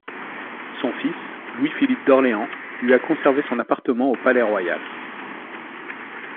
Son fils, Louis-Philippe d'Orléans lui a conservé son appartement au Palais-Royal.